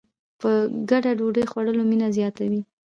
په ګډه ډوډۍ خوړل مینه زیاتوي.